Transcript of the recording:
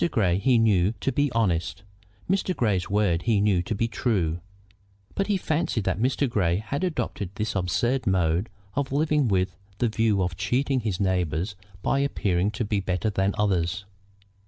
Grey he knew to be honest; Mr. Grey's word he knew to be true; but he fancied that Mr. Grey had adopted this absurd mode of living with the view of cheating his neighbors by appearing to be better than others.